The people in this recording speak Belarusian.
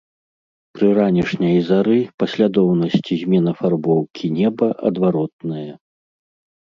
Пры ранішняй зары паслядоўнасць змен афарбоўкі неба адваротная.